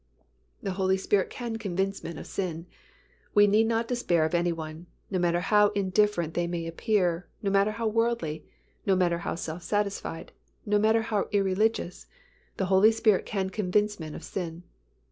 The Holy Spirit can convince men of sin. We need not despair of any one, no matter how indifferent they may appear, no matter how worldly, no matter how self satisfied, no matter how irreligious, the Holy Spirit can convince men of sin.